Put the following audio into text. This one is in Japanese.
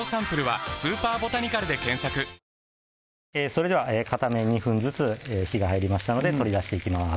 それでは片面２分ずつ火が入りましたので取り出していきます